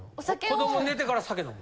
子ども寝てから酒飲む？